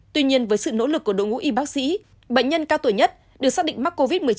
tuy nhiên với sự nỗ lực của đội ngũ y bác sĩ bệnh nhân cao tuổi nhất được xác định mắc covid một mươi chín